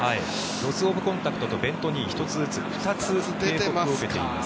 ロス・オブ・コンタクトベント・ニー１つずつ警告を受けています。